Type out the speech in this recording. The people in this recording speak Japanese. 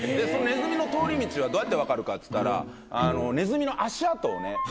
そのネズミの通り道はどうやって分かるかっつったらネズミの足跡をね